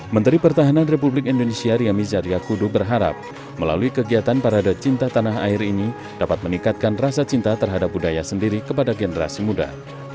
menteri pertahanan republik indonesia ria mizar yakudu berharap melalui kegiatan parade cinta tanah air ini dapat meningkatkan rasa cinta terhadap budaya sendiri kepada generasi muda